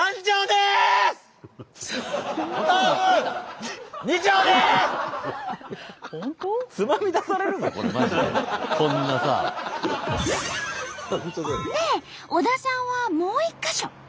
で小田さんはもう１か所。